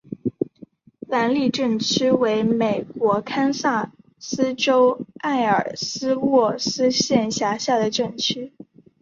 兰利镇区为美国堪萨斯州埃尔斯沃思县辖下的镇区。